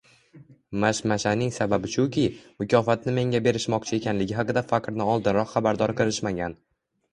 Mashmashaning sababi shuki, mukofotni menga berishmoqchi ekanligi haqida faqirni oldinroq xabardor qilishmagan